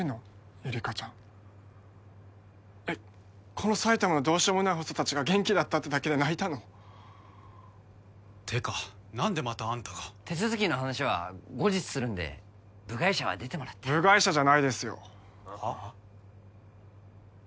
ゆりかちゃんえっこの埼玉のどうしようもないホスト達が元気だったってだけで泣いたの？ってか何でまたあんたが手続きの話は後日するんで部外者は出てもらって部外者じゃないですよはっ？